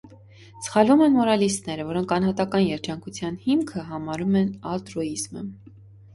Սխալվում են մորալիստները, որոնք անհատական երջանկության հիմքը համարում են ալտրուիզմը: